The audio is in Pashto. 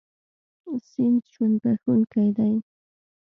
سیند ژوند بښونکی دی.